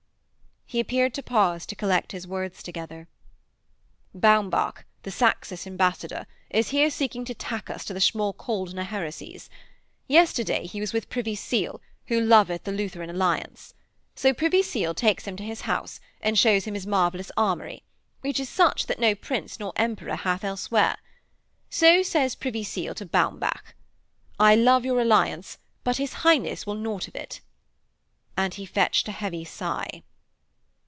He appeared to pause to collect his words together. 'Baumbach, the Saxish ambassador, is here seeking to tack us to the Schmalkaldner heresies. Yesterday he was with Privy Seal, who loveth the Lutheran alliance. So Privy Seal takes him to his house, and shows him his marvellous armoury, which is such that no prince nor emperor hath elsewhere. So says Privy Seal to Baumbach: "I love your alliance; but his Highness will naught of it." And he fetched a heavy sigh.'